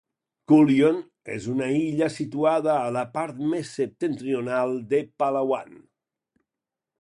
Culion és una illa situada a la part més septentrional de Palawan.